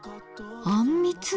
「あんみつ」。